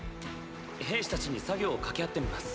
兵士たちに作業を掛け合ってみます。